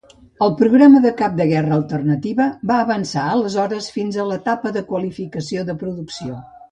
El Programa de Cap de Guerra Alternativa va avançar aleshores fins a l'etapa de qualificació de producció.